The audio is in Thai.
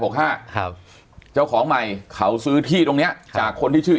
ครับเจ้าของใหม่เขาซื้อที่ตรงเนี้ยจากคนที่ชื่อ